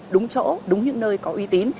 đúng chỗ đúng những nơi có uy tín